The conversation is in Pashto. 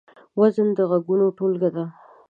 وزن د غږونو ټولګه ده.